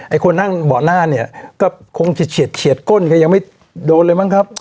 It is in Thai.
ไอ้คนนั่งเบาะหน้าเนี้ยก็คงเฉียดเฉียดเฉียดก้นก็ยังไม่โดนเลยมั้งครับ